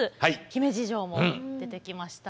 姫路城も出てきました。